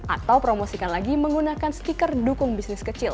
atau promosikan lagi menggunakan stiker dukung bisnis kecil